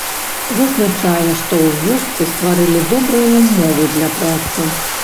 Зазначае, што ў вёсцы стварылі добрыя ўмовы для працы.